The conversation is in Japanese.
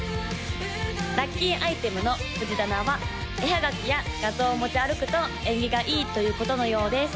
・ラッキーアイテムの藤棚は絵はがきや画像を持ち歩くと縁起がいいということのようです